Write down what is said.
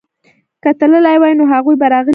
که تللي وای نو هغوی به راغلي نه وای.